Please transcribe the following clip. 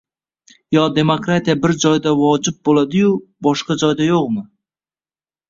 Yoki demokratiya bir joyda vojib bo‘ladi-yu, boshqa joyda yo‘qmi?